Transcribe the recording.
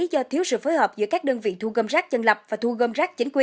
do thiếu sự phối hợp giữa các đơn vị thu gom rác dân lập và thu gom rác chính quy